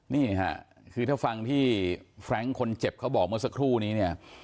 นี่ค่ะคือถ้าฟังที่แฟรงค์คนเจ็บเขาบอกเมื่อสักครู่นี้เนี่ย